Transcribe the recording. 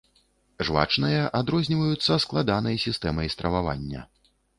Жвачныя адрозніваюцца складанай сістэмай стрававання.